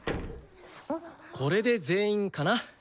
これで全員かな？